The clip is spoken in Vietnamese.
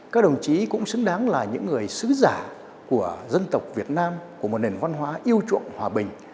các đồng chí cũng xứng đáng là những người sứ giả của dân tộc việt nam của một nền văn hóa yêu chuộng hòa bình